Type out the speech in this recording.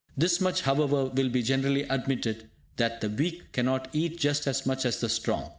This much, however, will be generally admitted, that the weak cannot eat just as much as the strong.